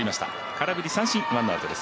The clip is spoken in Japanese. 空振り三振、ワンアウトです。